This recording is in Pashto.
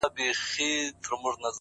د ژوند يې يو قدم سو. شپه خوره سوه خدايه.